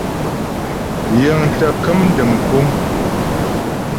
Yǐŋ tə kəm dəm kúŋ.